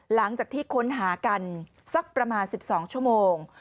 หลังจากที่ค้นหากันสักประมาณ๑๒ชั่วโมง